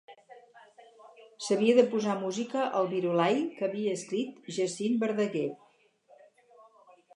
S'havia de posar música al Virolai que havia escrit Jacint Verdaguer.